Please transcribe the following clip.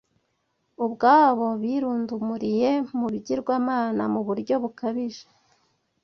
Ubwabo birundumuriye mu bigirwamana mu buryo bukabije.